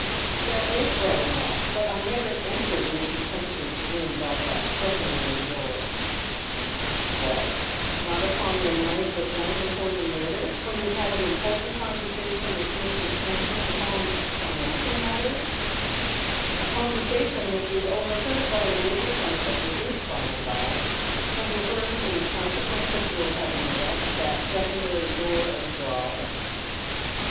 " That is right enough, but I never entered Mr. Trenchard'f room by that second aiar door." jrfr. Levison Cross examines. 355 " What, not upon the night but one before the murder, when you had an important conversation with Mr. Trenchard upon financial matters, — a conversation which was overheard by a witness I shall produce by and bye — overheard in consequence of yov./ having left that secondary door ajar